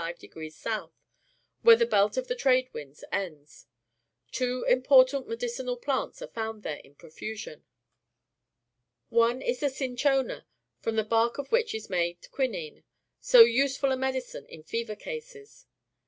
where the belt of the trade winds ends. Two important medicinal plants are found there in profusion. One is the ciiichona, from the bark of wliich is made q^uinine, so useful a medicine in SOUTH AMERICA 149 fever cases.